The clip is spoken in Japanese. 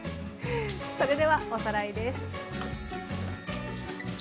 それではおさらいです。